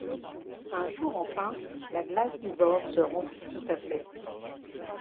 Un jour enfin, la glace du bord se rompit tout à fait.